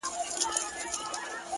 o نن: سیاه پوسي ده ـ